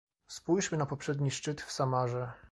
Spójrzmy na poprzedni szczyt w Samarze